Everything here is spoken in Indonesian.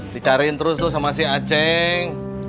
dicarin terus tuh sama si acing